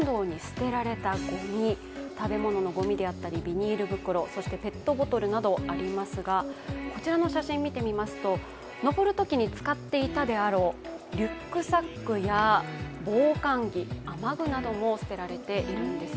食べ物のごみであったりビニール袋そしてペットボトルなどありますがこちらの写真を見てみますと登るときに使っていたであろうリュックサックや防寒具雨具なども捨てられているんです。